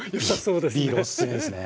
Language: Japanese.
ビールおすすめですね。